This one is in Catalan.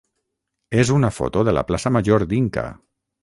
és una foto de la plaça major d'Inca.